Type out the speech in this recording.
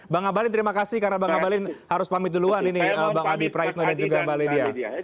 bang abalin terima kasih karena bang abalin harus pamit duluan ini bang adi praitno dan juga mbak ledia